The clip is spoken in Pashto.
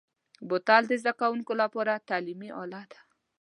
بوتل د زده کوونکو لپاره تعلیمي اله ده.